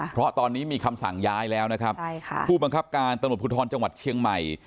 เพราะตอนนี้มีคำสั่งย้ายแล้วนะครับผู้บังคับการตำรวจภูทรจังหวัดเชียงใหม่